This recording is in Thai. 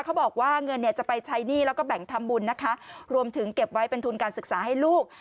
เขาบอกว่าเงินเนี่ยจะไปใช้หนี้แล้วก็แบ่งทำบุญนะคะรวมถึงเก็บไว้เป็นทุนการศึกษาให้ลูก